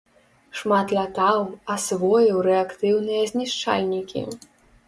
Шмат лятаў, асвоіў рэактыўныя знішчальнікі.